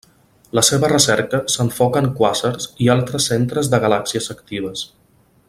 La seva recerca s'enfoca en quàsars i altres centres de galàxies actives.